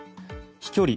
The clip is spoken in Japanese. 飛距離